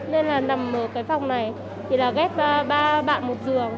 nên là nằm ở cái phòng này thì là ghép ba bạn một giường